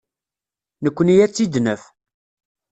Nekkni ad tt-id-naf.